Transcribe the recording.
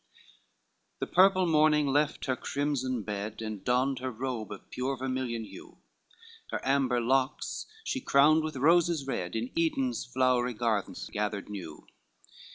I The purple morning left her crimson bed, And donned her robes of pure vermilion hue, Her amber locks she crowned with roses red, In Eden's flowery gardens gathered new.